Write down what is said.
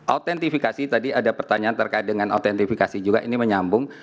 autentifikasi tadi ada pertanyaan terkait dengan autentifikasi juga ini menyambung